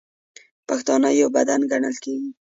ټول پښتانه یو بدن ګڼل کیږي.